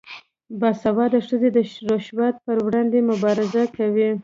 باسواده ښځې د رشوت پر وړاندې مبارزه کوي.